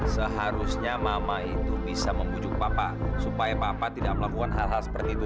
seharusnya mama itu bisa membujuk bapak supaya papa tidak melakukan hal hal seperti itu